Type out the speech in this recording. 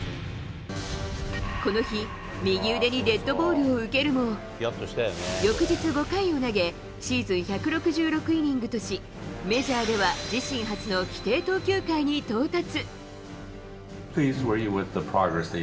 この日、右腕にデッドボールを受けるも、翌日、５回を投げ、シーズン１６６イニングとし、メジャーでは自身初の規定投球回に到達。